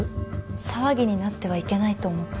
騒ぎになってはいけないと思って。